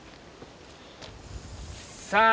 さあ